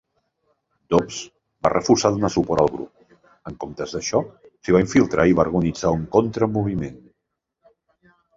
Dobbs va refusar donar suport al grup; en comptes d'això, s'hi va infiltrar i va organitzar un contramoviment.